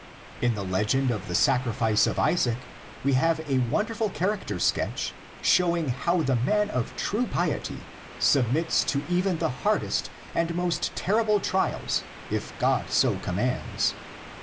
In the legend of the sacrifice of Isaac we have a wonderful character sketch showing how the man of true piety submits to even the hardest and most ter rible trials if God so commands.